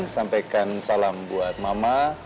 sampaikan salam buat mama